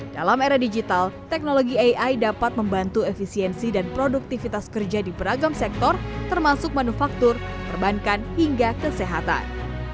dalam era digital teknologi ai dapat membantu efisiensi dan produktivitas kerja di beragam sektor termasuk manufaktur perbankan hingga kesehatan